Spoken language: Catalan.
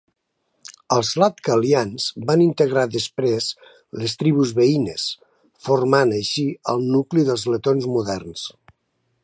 Els latgalians van integrar després les tribus veïnes, formant així el nucli dels letons moderns.